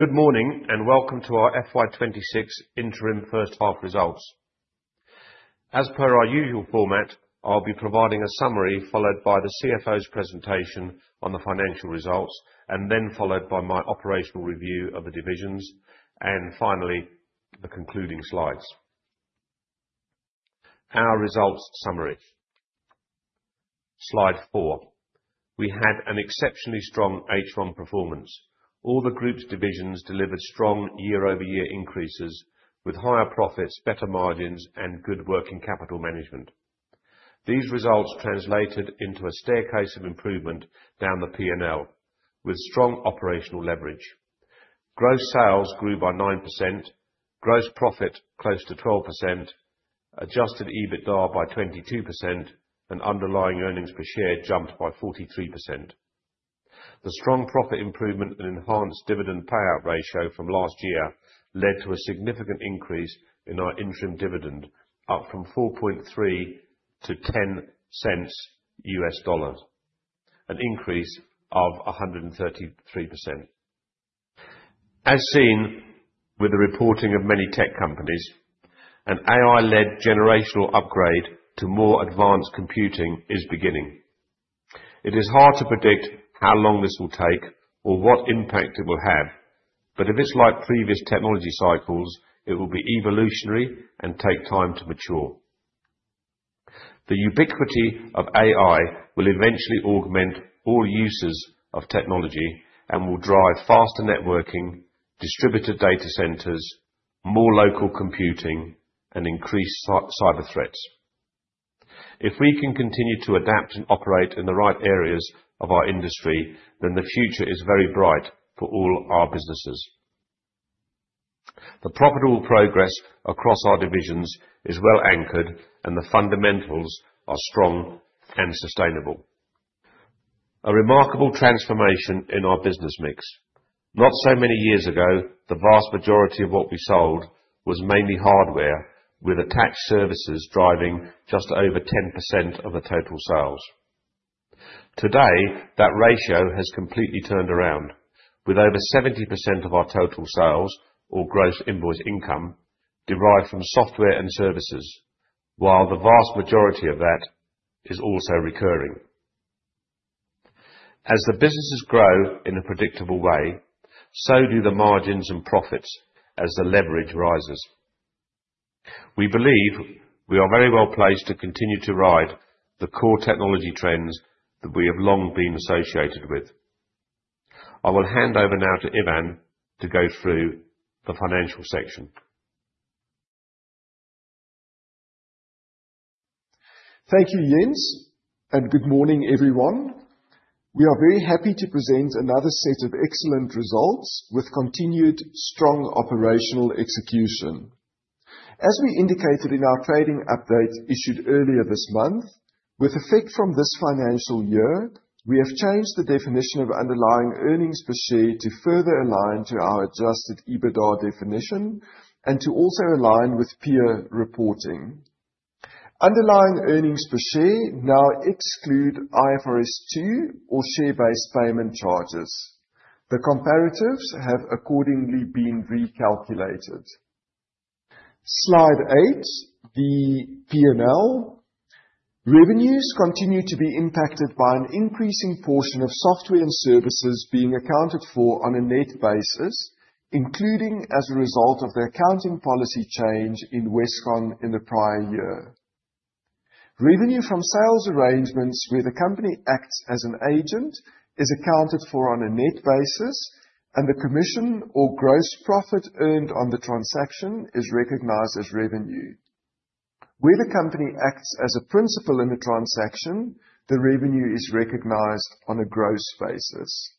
Good morning. Welcome to our FY 2026 interim first half results. As per our usual format, I'll be providing a summary followed by the CFO's presentation on the financial results, and then followed by my operational review of the divisions, and finally, the concluding slides. Our results summary. Slide four. We had an exceptionally strong H1 performance. All the group's divisions delivered strong year-over-year increases with higher profits, better margins, and good working capital management. These results translated into a staircase of improvement down the P&L with strong operational leverage. Gross sales grew by 9%, gross profit close to 12%, adjusted EBITDA by 22%, and underlying earnings per share jumped by 43%. The strong profit improvement and enhanced dividend payout ratio from last year led to a significant increase in our interim dividend up from $0.043 to $0.10, an increase of 133%. As seen with the reporting of many tech companies, an AI-led generational upgrade to more advanced computing is beginning. It is hard to predict how long this will take or what impact it will have, but if it's like previous technology cycles, it will be evolutionary and take time to mature. The ubiquity of AI will eventually augment all uses of technology and will drive faster networking, distributed data centers, more local computing, and increased cyber threats. If we can continue to adapt and operate in the right areas of our industry, then the future is very bright for all our businesses. The profitable progress across our divisions is well-anchored, and the fundamentals are strong and sustainable. A remarkable transformation in our business mix. Not so many years ago, the vast majority of what we sold was mainly hardware, with attached services driving just over 10% of the total sales. Today, that ratio has completely turned around, with over 70% of our total sales or gross invoiced income derived from software and services, while the vast majority of that is also recurring. As the businesses grow in a predictable way, so do the margins and profits as the leverage rises. We believe we are very well placed to continue to ride the core technology trends that we have long been associated with. I will hand over now to Ivan to go through the financial section. Thank you, Jens, and good morning, everyone. We are very happy to present another set of excellent results with continued strong operational execution. As we indicated in our trading update issued earlier this month, with effect from this financial year, we have changed the definition of underlying earnings per share to further align to our adjusted EBITDA definition and to also align with peer reporting. Underlying earnings per share now exclude IFRS 2 or share-based payment charges. The comparatives have accordingly been recalculated. Slide eight, the P&L. Revenues continue to be impacted by an increasing portion of software and services being accounted for on a net basis, including as a result of the accounting policy change in Westcon in the prior year. Revenue from sales arrangements where the company acts as an agent is accounted for on a net basis, and the commission or gross profit earned on the transaction is recognized as revenue. Where the company acts as a principal in the transaction, the revenue is recognized on a gross basis.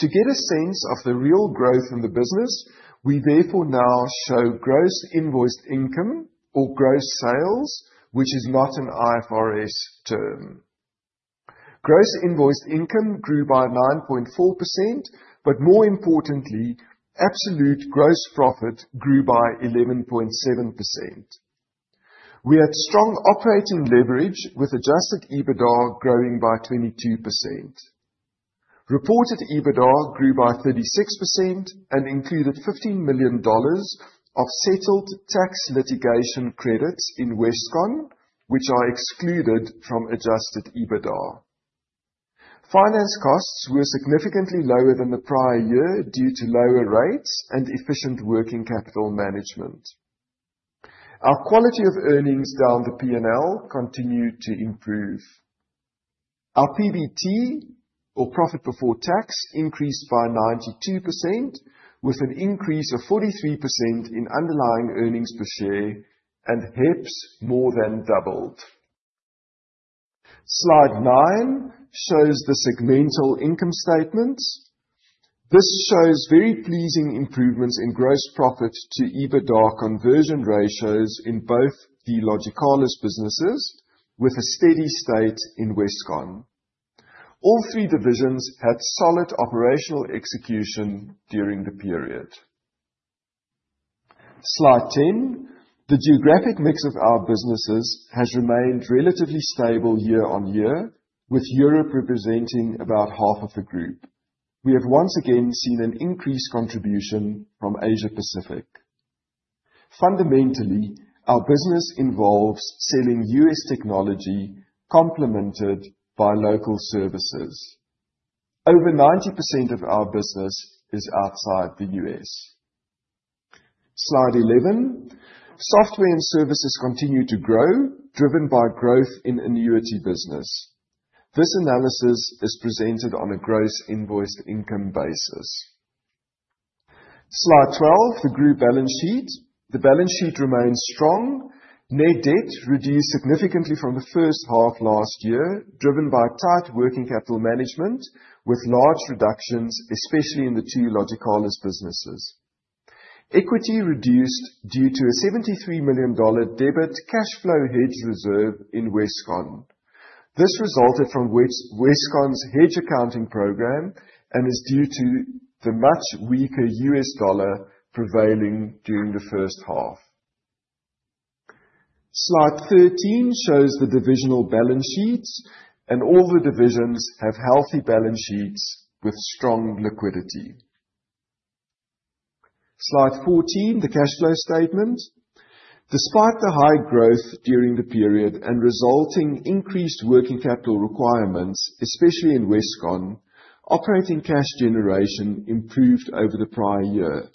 To get a sense of the real growth in the business, we therefore now show gross invoiced income or gross sales, which is not an IFRS term. Gross invoiced income grew by 9.4%, but more importantly, absolute gross profit grew by 11.7%. We have strong operating leverage, with adjusted EBITDA growing by 22%. Reported EBITDA grew by 36% and included $15 million of settled tax litigation credits in Westcon, which are excluded from adjusted EBITDA. Finance costs were significantly lower than the prior year due to lower rates and efficient working capital management. Our quality of earnings down the P&L continued to improve. Our PBT, or profit before tax, increased by 92%, with an increase of 43% in underlying earnings per share and HEPS more than doubled. Slide nine shows the segmental income statements. This shows very pleasing improvements in gross profit to EBITDA conversion ratios in both the Logicalis businesses with a steady state in Westcon. All three divisions had solid operational execution during the period. Slide 10. The geographic mix of our businesses has remained relatively stable year-on-year, with Europe representing about half of the group. We have once again seen an increased contribution from Asia-Pacific. Fundamentally, our business involves selling U.S. technology complemented by local services. Over 90% of our business is outside the U.S. Slide 11. Software and services continue to grow, driven by growth in annuity business. This analysis is presented on a gross invoiced income basis. Slide 12, the group balance sheet. The balance sheet remains strong. Net debt reduced significantly from the first half last year, driven by tight working capital management with large reductions, especially in the two Logicalis businesses. Equity reduced due to a $73 million debit cash flow hedge reserve in Westcon. This resulted from Westcon's hedge accounting program and is due to the much weaker U.S. dollar prevailing during the first half. Slide 13 shows the divisional balance sheets, and all the divisions have healthy balance sheets with strong liquidity. Slide 14, the cash flow statement. Despite the high growth during the period and resulting increased working capital requirements, especially in Westcon, operating cash generation improved over the prior year.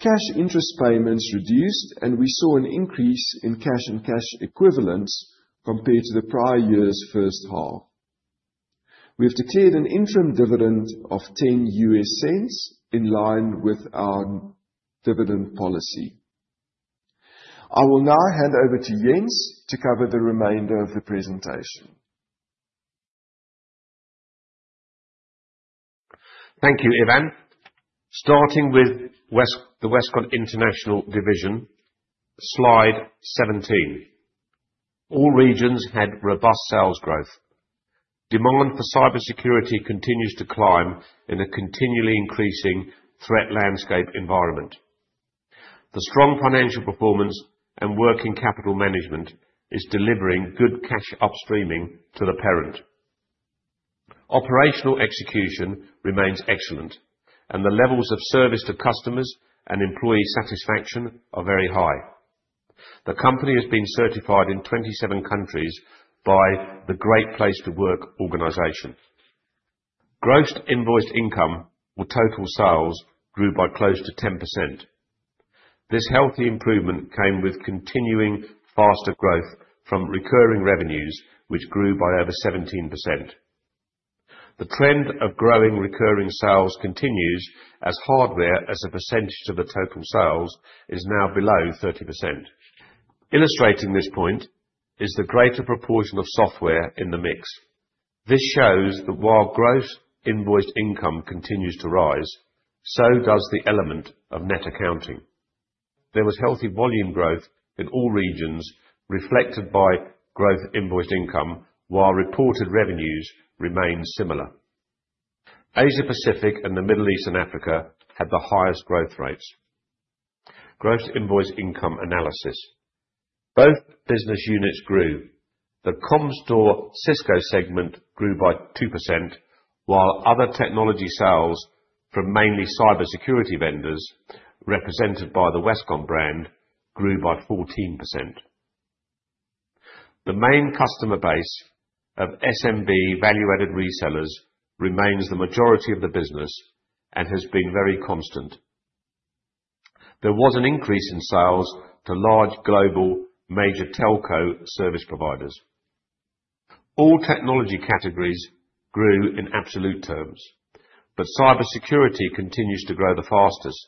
Cash interest payments reduced, and we saw an increase in cash and cash equivalents compared to the prior year's first half. We have declared an interim dividend of $0.10 in line with our dividend policy. I will now hand over to Jens to cover the remainder of the presentation. Thank you, Ivan. Starting with the Westcon International Division, slide 17. All regions had robust sales growth. Demand for cybersecurity continues to climb in a continually increasing threat landscape environment. The strong financial performance and working capital management is delivering good cash upstreaming to the parent. Operational execution remains excellent, and the levels of service to customers and employee satisfaction are very high. The company has been certified in 27 countries by the Great Place To Work organization. Gross invoiced income or total sales grew by close to 10%. This healthy improvement came with continuing faster growth from recurring revenues, which grew by over 17%. The trend of growing recurring sales continues as hardware as a percentage of the total sales is now below 30%. Illustrating this point is the greater proportion of software in the mix. This shows that while gross invoiced income continues to rise, so does the element of net accounting. There was healthy volume growth in all regions reflected by gross invoiced income while reported revenues remained similar. Asia-Pacific and the Middle East and Africa had the highest growth rates. Gross invoiced income analysis. Both business units grew. The Comstor Cisco segment grew by 2%, while other technology sales from mainly cybersecurity vendors represented by the Westcon brand grew by 14%. The main customer base of SMB value-added resellers remains the majority of the business and has been very constant. There was an increase in sales to large global major telco service providers. All technology categories grew in absolute terms, but cybersecurity continues to grow the fastest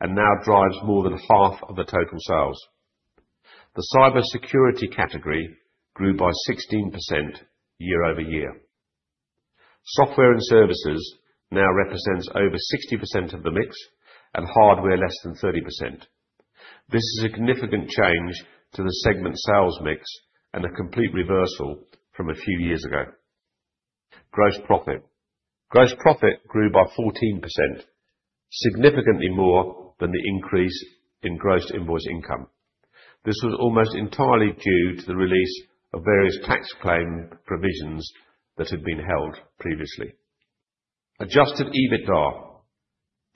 and now drives more than half of the total sales. The cybersecurity category grew by 16% year-over-year. Software and services now represents over 60% of the mix and hardware less than 30%. This is a significant change to the segment sales mix and a complete reversal from a few years ago. Gross profit grew by 14%, significantly more than the increase in gross invoiced income. This was almost entirely due to the release of various tax claim provisions that had been held previously. Adjusted EBITDA.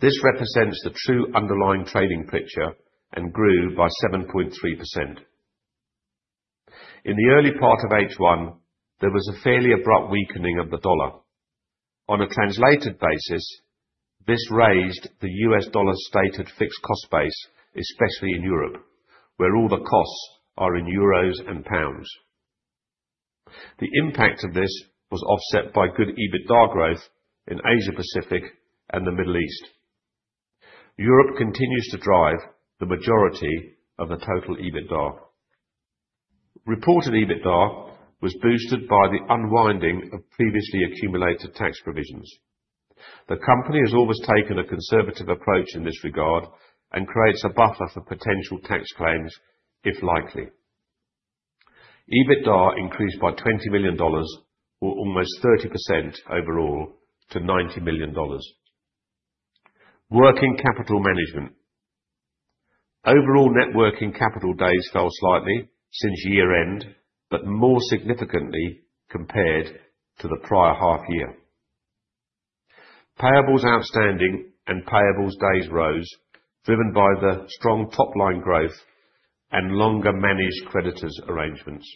This represents the true underlying trading picture and grew by 7.3%. In the early part of H1, there was a fairly abrupt weakening of the dollar. On a translated basis, this raised the U.S. dollar stated fixed cost base, especially in Europe, where all the costs are in euros and pounds. The impact of this was offset by good EBITDA growth in Asia-Pacific and the Middle East. Europe continues to drive the majority of the total EBITDA. Reported EBITDA was boosted by the unwinding of previously accumulated tax provisions. The company has always taken a conservative approach in this regard and creates a buffer for potential tax claims if likely. EBITDA increased by $20 million or almost 30% overall to $90 million. Working capital management. Overall net working capital days fell slightly since year end, but more significantly compared to the prior half year. Payables outstanding and payables days rose, driven by the strong top-line growth and longer managed creditors arrangements.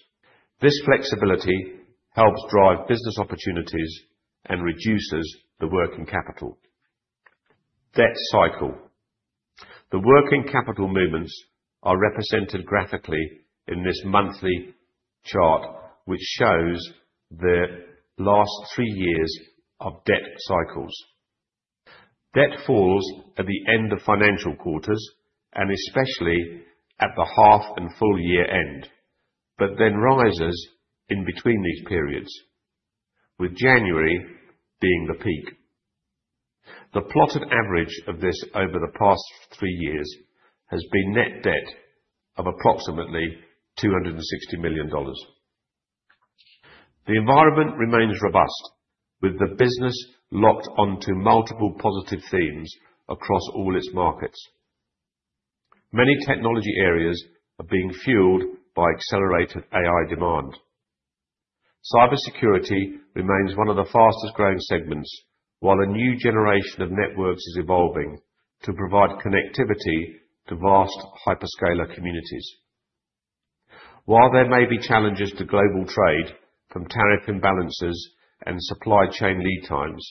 This flexibility helps drive business opportunities and reduces the working capital. Debt cycle. The working capital movements are represented graphically in this monthly chart, which shows the last three years of debt cycles. Debt falls at the end of financial quarters and especially at the half and full year end, rises in between these periods, with January being the peak. The plotted average of this over the past three years has been net debt of approximately $260 million. The environment remains robust, with the business locked onto multiple positive themes across all its markets. Many technology areas are being fueled by accelerated AI demand. Cybersecurity remains one of the fastest-growing segments, while a new generation of networks is evolving to provide connectivity to vast hyperscaler communities. While there may be challenges to global trade from tariff imbalances and supply chain lead times,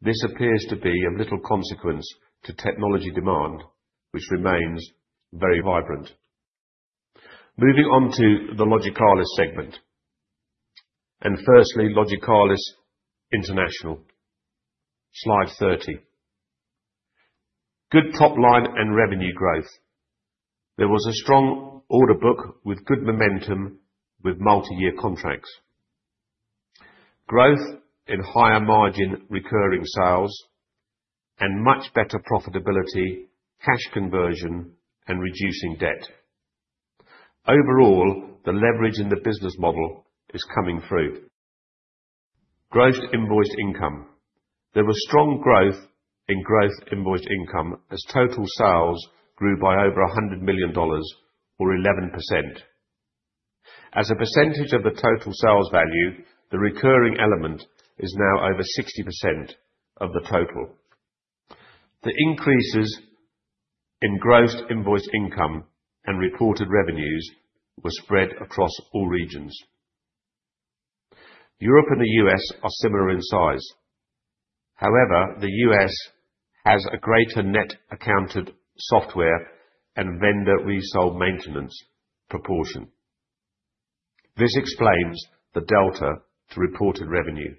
this appears to be of little consequence to technology demand, which remains very vibrant. Moving on to the Logicalis segment and firstly, Logicalis International. Slide 30. Good top line and revenue growth. There was a strong order book with good momentum with multi-year contracts. Growth in higher margin recurring sales and much better profitability, cash conversion and reducing debt. Overall, the leverage in the business model is coming through. Gross invoiced income. There was strong growth in gross invoiced income as total sales grew by over $100 million or 11%. As a percentage of the total sales value, the recurring element is now over 60% of the total. The increases in gross invoiced income and reported revenues were spread across all regions. Europe and the U.S. are similar in size. However, the U.S. has a greater net accounted software and vendor resold maintenance proportion. This explains the delta to reported revenue.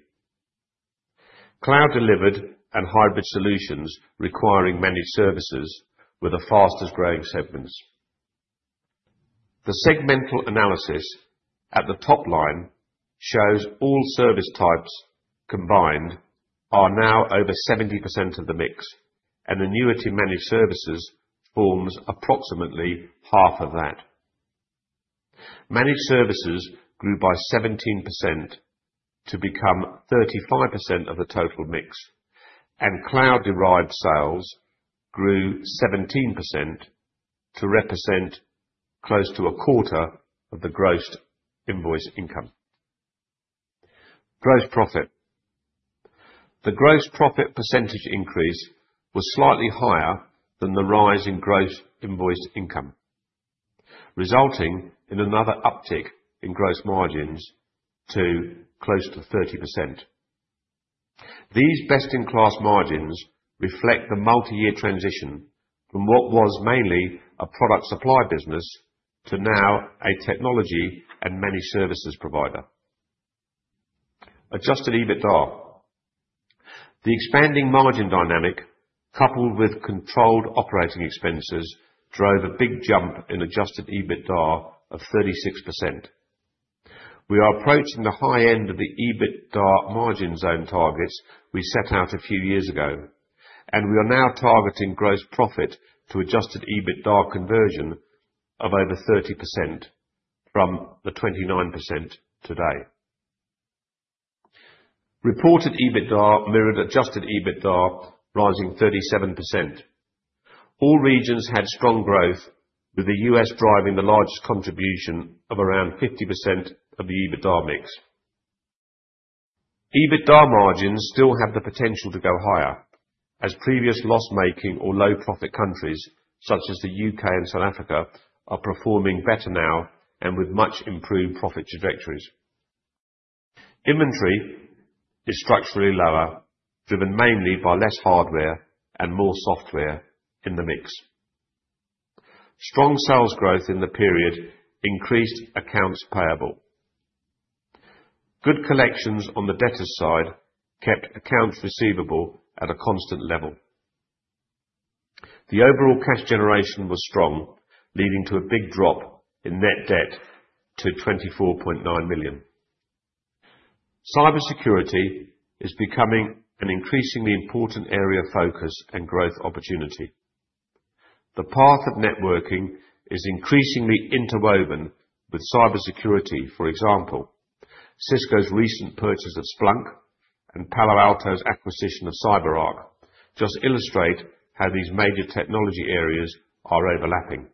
Cloud delivered and hybrid solutions requiring managed services were the fastest-growing segments. The segmental analysis at the top line shows all service types combined are now over 70% of the mix, and annuity managed services forms approximately half of that. Managed services grew by 17% to become 35% of the total mix, and cloud-derived sales grew 17% to represent close to a quarter of the gross invoiced income. Gross profit. The gross profit percentage increase was slightly higher than the rise in gross invoiced income, resulting in another uptick in gross margins to close to 30%. These best-in-class margins reflect the multi-year transition from what was mainly a product supply business to now a technology and managed services provider. Adjusted EBITDA. The expanding margin dynamic, coupled with controlled operating expenses, drove a big jump in adjusted EBITDA of 36%. We are approaching the high end of the EBITDA margin zone targets we set out a few years ago. We are now targeting gross profit to adjusted EBITDA conversion of over 30% from the 29% today. Reported EBITDA mirrored adjusted EBITDA rising 37%. All regions had strong growth, with the U.S. driving the largest contribution of around 50% of the EBITDA mix. EBITDA margins still have the potential to go higher as previous loss-making or low profit countries such as the U.K. and South Africa are performing better now and with much improved profit trajectories. Inventory is structurally lower, driven mainly by less hardware and more software in the mix. Strong sales growth in the period increased accounts payable. Good collections on the debtor side kept accounts receivable at a constant level. The overall cash generation was strong, leading to a big drop in net debt to $24.9 million. Cybersecurity is becoming an increasingly important area of focus and growth opportunity. The path of networking is increasingly interwoven with cybersecurity. For example, Cisco's recent purchase of Splunk and Palo Alto's acquisition of CyberArk just illustrate how these major technology areas are overlapping.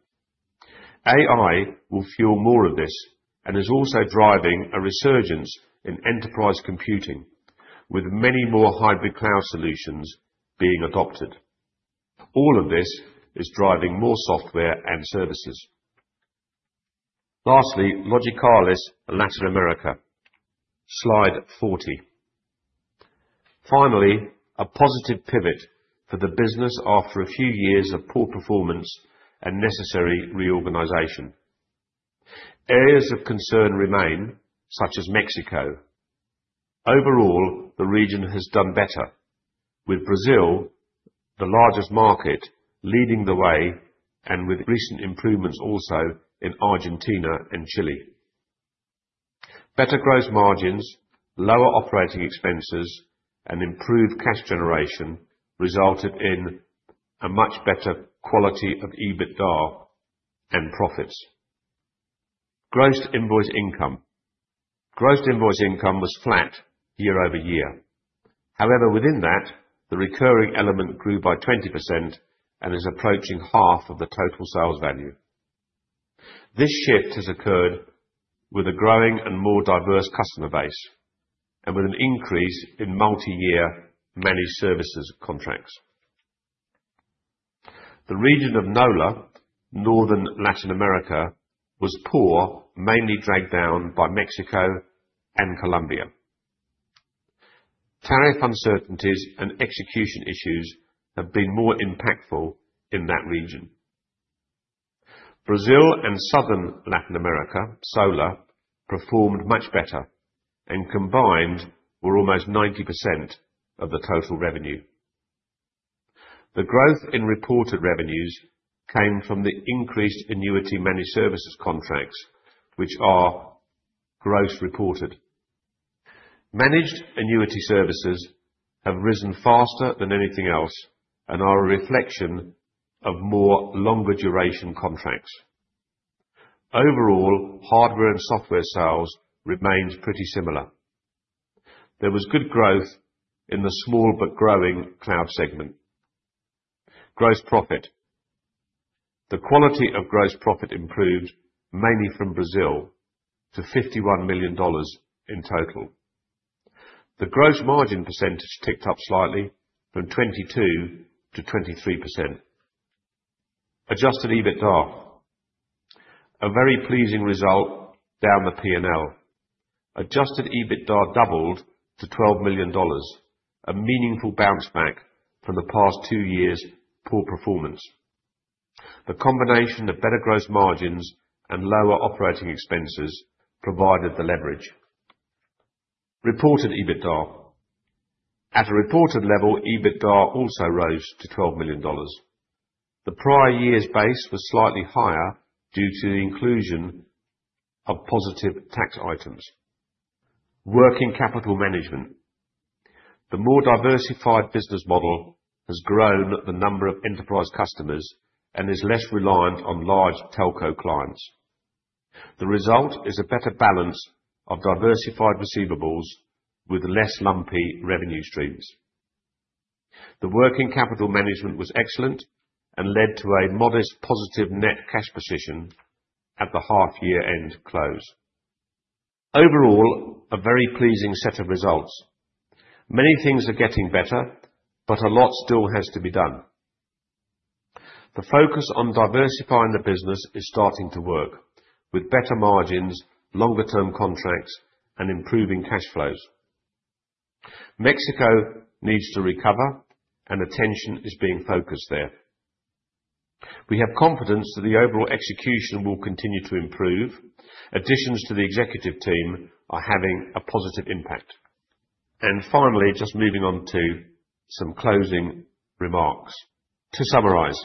AI will fuel more of this and is also driving a resurgence in enterprise computing, with many more hybrid cloud solutions being adopted. All of this is driving more software and services. Lastly, Logicalis Latin America. Slide 40. Finally, a positive pivot for the business after a few years of poor performance and necessary reorganization. Areas of concern remain, such as Mexico. Overall, the region has done better, with Brazil, the largest market, leading the way, and with recent improvements also in Argentina and Chile. Better gross margins, lower operating expenses, and improved cash generation resulted in a much better quality of EBITDA and profits. Gross invoiced income. Gross invoiced income was flat year-over-year. However, within that, the recurring element grew by 20% and is approaching half of the total sales value. This shift has occurred with a growing and more diverse customer base and with an increase in multi-year managed services contracts. The region of NOLA, Northern Latin America, was poor, mainly dragged down by Mexico and Colombia. Tariff uncertainties and execution issues have been more impactful in that region. Brazil and Southern Latin America, SOLA, performed much better and combined were almost 90% of the total revenue. The growth in reported revenues came from the increased annuity managed services contracts, which are gross reported. Managed annuity services have risen faster than anything else and are a reflection of more longer duration contracts. Overall, hardware and software sales remained pretty similar. There was good growth in the small but growing cloud segment. Gross profit. The quality of gross profit improved mainly from Brazil to $51 million in total. The gross margin percentage ticked up slightly from 22% to 23%. Adjusted EBITDA. A very pleasing result down the P&L. Adjusted EBITDA doubled to $12 million, a meaningful bounce back from the past two years' poor performance. The combination of better gross margins and lower operating expenses provided the leverage. Reported EBITDA. At a reported level, EBITDA also rose to $12 million. The prior year's base was slightly higher due to the inclusion of positive tax items. Working capital management. The more diversified business model has grown the number of enterprise customers and is less reliant on large telco clients. The result is a better balance of diversified receivables with less lumpy revenue streams. The working capital management was excellent and led to a modest positive net cash position at the half year end close. Overall, a very pleasing set of results. Many things are getting better, but a lot still has to be done. The focus on diversifying the business is starting to work with better margins, longer-term contracts, and improving cash flows. Mexico needs to recover and attention is being focused there. We have confidence that the overall execution will continue to improve. Additions to the executive team are having a positive impact. Finally, just moving on to some closing remarks. To summarize,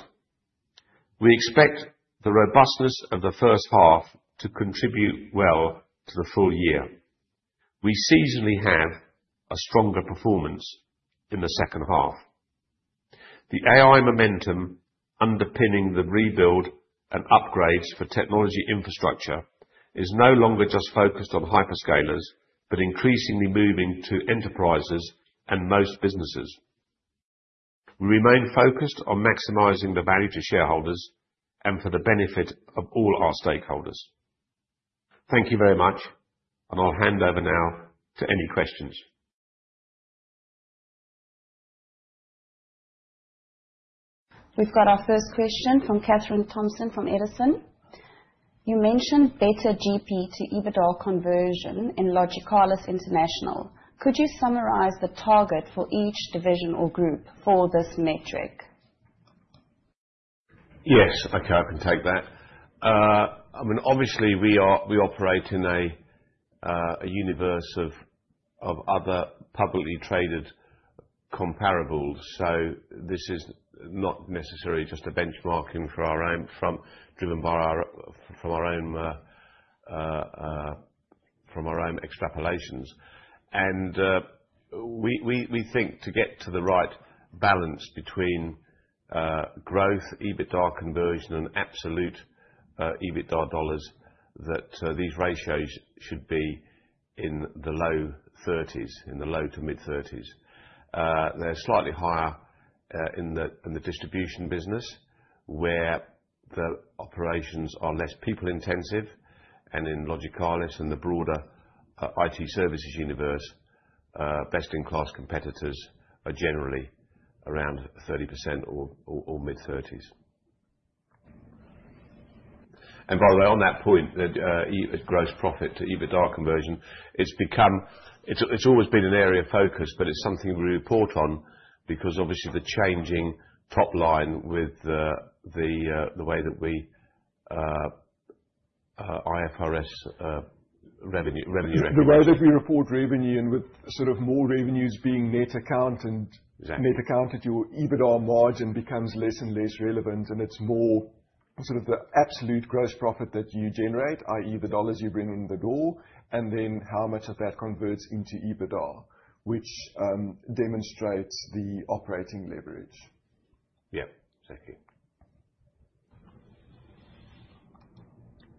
we expect the robustness of the first half to contribute well to the full year. We seasonally have a stronger performance in the second half. The AI momentum underpinning the rebuild and upgrades for technology infrastructure is no longer just focused on hyperscalers, but increasingly moving to enterprises and most businesses. We remain focused on maximizing the value to shareholders and for the benefit of all our stakeholders. Thank you very much, and I'll hand over now to any questions. We've got our first question from Katherine Thompson from Edison. You mentioned better GP to EBITDA conversion in Logicalis International. Could you summarize the target for each division or group for this metric? Yes. Okay, I can take that. I mean, obviously we are, we operate in a universe of other publicly traded comparables. This is not necessarily just a benchmarking for our own from, driven by our, from our own extrapolations. We think to get to the right balance between growth, EBITDA conversion, and absolute EBITDA dollars, that these ratios should be in the low 30s, in the low to mid-30s. They're slightly higher in the distribution business, where the operations are less people-intensive. In Logicalis and the broader IT services universe, best-in-class competitors are generally around 30% or mid-thirties. By the way, on that point, the gross profit to EBITDA conversion, it's become It's always been an area of focus, but it's something we report on because obviously the changing top line with the way that we IFRS revenue recognition. The way that we report revenue and with sort of more revenues being net account. Exactly Net accounted, your EBITDA margin becomes less and less relevant, and it's more sort of the absolute gross profit that you generate, i.e. the dollars you bring in the door, and then how much of that converts into EBITDA, which demonstrates the operating leverage. Yeah. Exactly.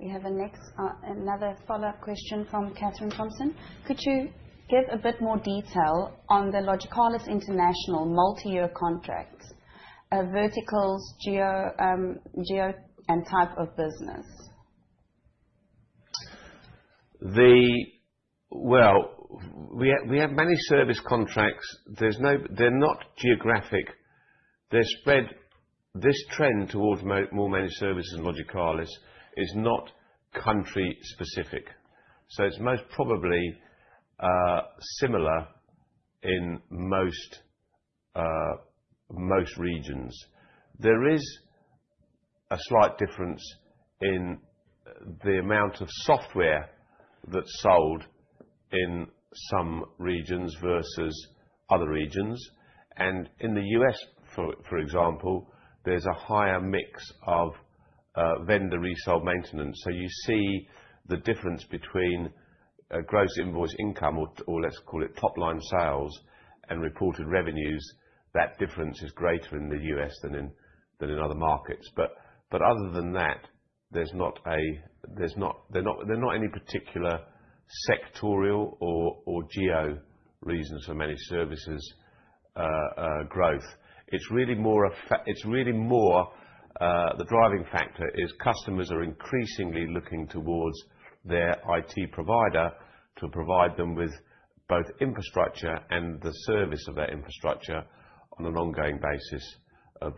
We have a next, another follow-up question from Katherine Thompson. Could you give a bit more detail on the Logicalis International multi-year contracts, verticals, geo, and type of business? Well, we have many service contracts. They're not geographic. They're spread. This trend towards more managed services in Logicalis is not country specific, so it's most probably similar in most regions. There is a slight difference in the amount of software that's sold in some regions versus other regions. In the U.S., for example, there's a higher mix of vendor resell maintenance. You see the difference between gross invoiced income or let's call it top-line sales and reported revenues. That difference is greater in the U.S. than in other markets. Other than that, they're not any particular sectorial or geo reasons for managed services growth. It's really more, the driving factor is customers are increasingly looking towards their IT provider to provide them with both infrastructure and the service of that infrastructure on an ongoing basis of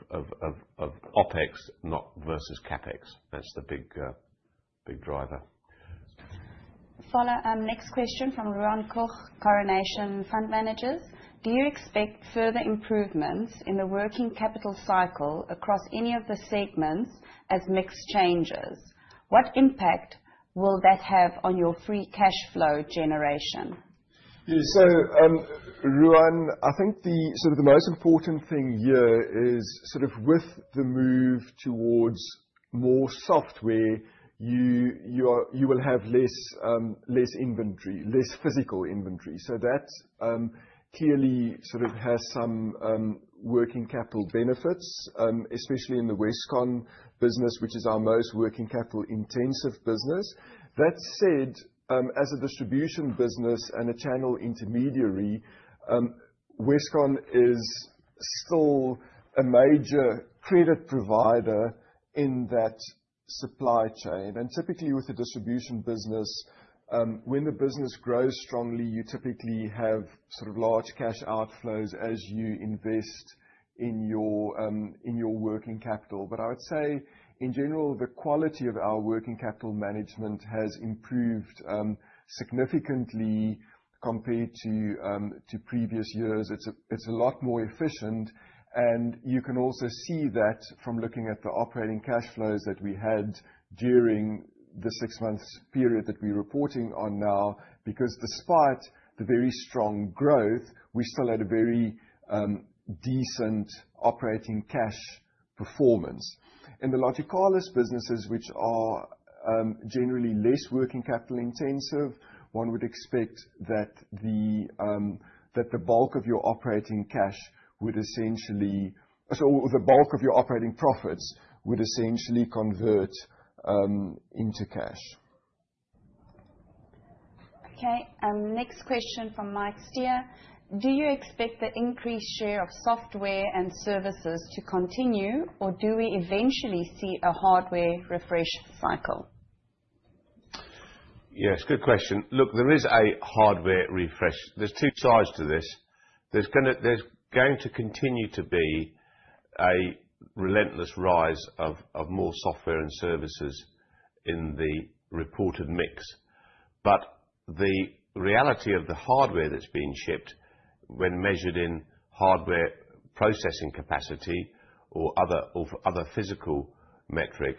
OpEx, not, versus CapEx. That's the big driver. Follow, next question from Ruan Koch, Coronation Fund Managers. Do you expect further improvements in the working capital cycle across any of the segments as mix changes? What impact will that have on your free cash flow generation? Yeah. Ruan, I think the, sort of the most important thing here is sort of with the move towards more software, you will have less, less inventory, less physical inventory. That, clearly sort of has some working capital benefits, especially in the Westcon business, which is our most working capital intensive business. That said, as a distribution business and a channel intermediary, Westcon is still a major credit provider in that supply chain. Typically with the distribution business, when the business grows strongly, you typically have sort of large cash outflows as you invest in your, in your working capital. I would say in general, the quality of our working capital management has improved, significantly compared to previous years. It's a lot more efficient, and you can also see that from looking at the operating cash flows that we had during the six months period that we're reporting on now. Despite the very strong growth, we still had a very decent operating cash performance. In the Logicalis businesses, which are generally less working capital intensive, one would expect that the bulk of your operating profits would essentially convert into cash. Okay. Next question from Mike Steer. Do you expect the increased share of software and services to continue, or do we eventually see a hardware refresh cycle? Yes, good question. Look, there is a hardware refresh. There's two sides to this. There's going to continue to be a relentless rise of more software and services in the reported mix. The reality of the hardware that's being shipped when measured in hardware processing capacity or other physical metric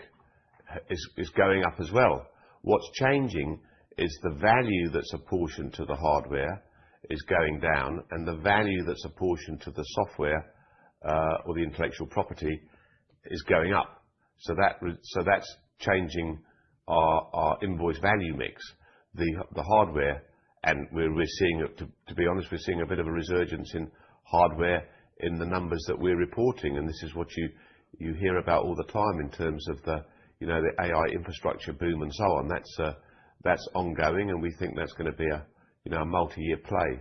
is going up as well. What's changing is the value that's apportioned to the hardware is going down and the value that's apportioned to the software or the intellectual property is going up. That's changing our invoice value mix. The hardware and we're seeing it To be honest, we're seeing a bit of a resurgence in hardware in the numbers that we're reporting, and this is what you hear about all the time in terms of the, you know, the AI infrastructure boom and so on. That's ongoing, and we think that's gonna be a, you know, a multi-year play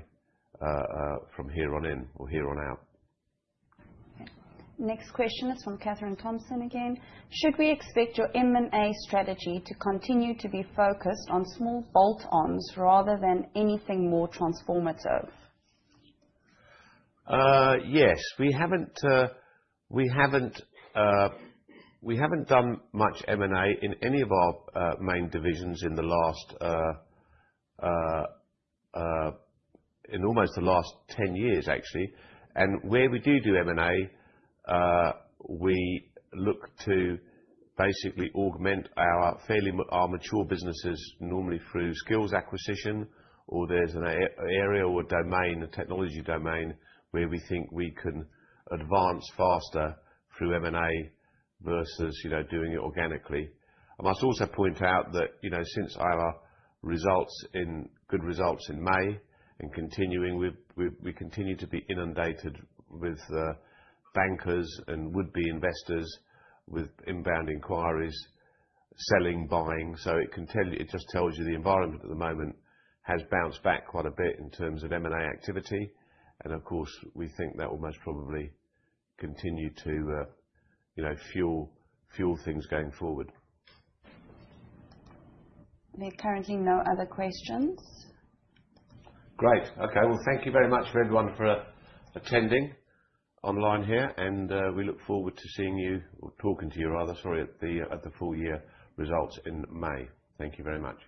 from here on in or here on out. Okay. Next question is from Katherine Thompson again. Should we expect your M&A strategy to continue to be focused on small bolt-ons rather than anything more transformative? Yes. We haven't done much M&A in any of our main divisions in almost the last 10 years, actually. Where we do M&A, we look to basically augment our fairly, our mature businesses, normally through skills acquisition or there's an area or domain, a technology domain, where we think we can advance faster through M&A versus, you know, doing it organically. I must also point out that, you know, since our good results in May and continuing with, we continue to be inundated with bankers and would-be investors with inbound inquiries, selling, buying. It can tell you, it just tells you the environment at the moment has bounced back quite a bit in terms of M&A activity, and of course, we think that will most probably continue to, you know, fuel things going forward. There are currently no other questions. Great. Okay. Thank you very much for everyone for attending online here and we look forward to seeing you or talking to you rather, sorry, at the full year results in May. Thank you very much.